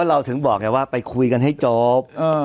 เราถึงบอกไงว่าไปคุยกันให้จบ